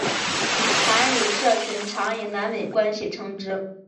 韩语社群常以南北关系称之。